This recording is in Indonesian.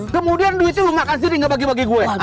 kemudian duitnya lu makan sendiri gak bagi bagi gue